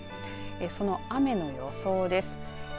その雨の予想です。